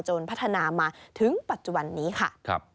พัฒนามาถึงปัจจุบันนี้ค่ะ